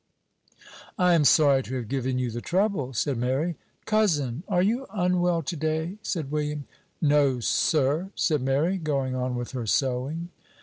"I am sorry to have given you the trouble," said Mary. "Cousin, are you unwell to day?" said William. "No, sir," said Mary, going on with her sewing.